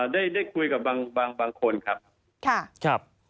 ได้คุยกับบางคนครับ